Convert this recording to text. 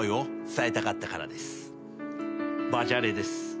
バジャレです。